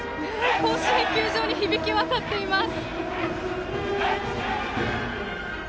甲子園球場に響き渡っています。